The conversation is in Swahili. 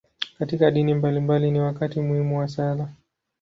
Katika dini mbalimbali, ni wakati muhimu wa sala.